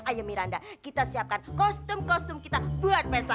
ayo miranda kita siapkan kostum kostum kita buat besok